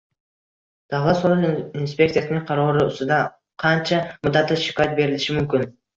Davlat soliq inspeksiyasining qarori ustidan qancha muddatda shikoyat berilishi mumkin?